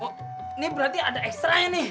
ini berarti ada ekstraya nih